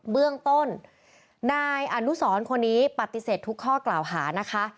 เบื้องต้นนายอนุสรคนนี้ปฏิเสธทุกข้อกล่าวหานะคะ